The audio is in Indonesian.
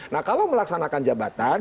nah kalau melaksanakan jabatan